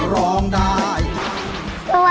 ร้องได้ร้องได้